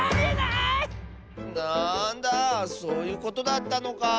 なんだそういうことだったのか。